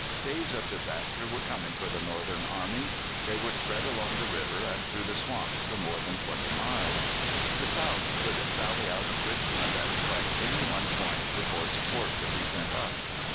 Days of disaster were coming for the Northern Army. They were spread along the river and through the swamps for more than twenty miles. The South could sally out of Richmond and strike any one point before support could be sent up.